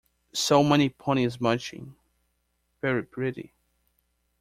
So many ponies munching; very pretty!